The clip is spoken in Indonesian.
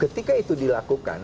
ketika itu dilakukan